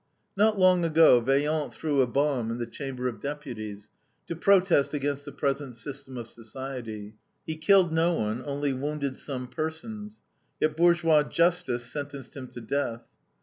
"Not long ago, Vaillant threw a bomb in the Chamber of Deputies, to protest against the present system of society. He killed no one, only wounded some persons; yet bourgeois justice sentenced him to death.